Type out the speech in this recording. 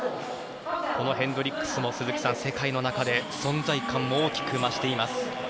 このヘンドリックスも鈴木さん、世界の中で存在感も大きく増しています。